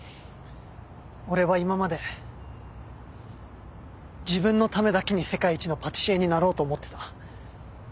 俺は今まで自分のためだけに世界一のパティシエになろうと思ってた。